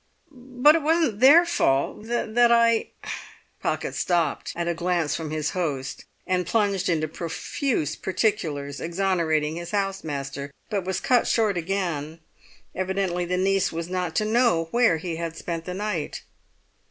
"But it wasn't their fault that I——" Pocket stopped at a glance from his host, and plunged into profuse particulars exonerating his house master, but was cut short again. Evidently the niece was not to know where he had spent the night.